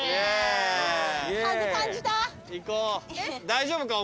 大丈夫か？